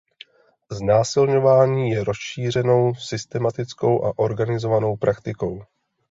Znásilňování je rozšířenou systematickou a organizovanou praktikou.